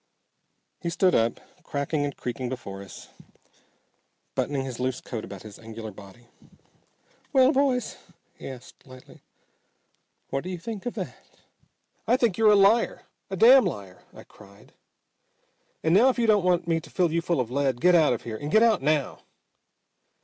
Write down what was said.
He stood up cracking and creaking before us, buttoning his loose coat about his angular body. "Well, boys," he asked lightly, "what do you think of that?" "I think you're a liar! A damn liar!" I cried. "And now, if you don't want me to fill you full of lead, get out of here and get out now!